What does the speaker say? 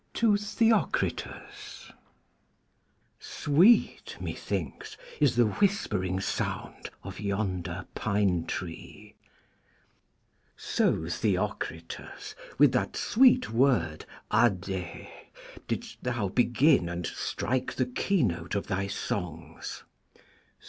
To Theocritus 'Sweet, methinks, is the whispering sound of yonder pine tree,' so, Theocritus, with that sweet word ade*, didst thou begin and strike the keynote of thy songs.